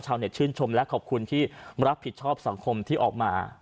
ชื่นชมและขอบคุณที่รับผิดชอบสังคมที่ออกมา